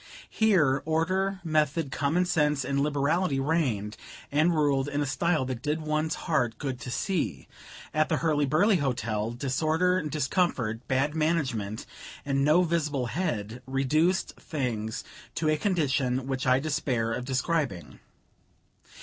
Here, order, method, common sense and liberality reigned and ruled, in a style that did one's heart good to see; at the Hurly burly Hotel, disorder, discomfort, bad management, and no visible head, reduced things to a condition which I despair of describing.